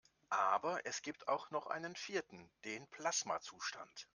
Aber es gibt auch noch einen vierten: Den Plasmazustand.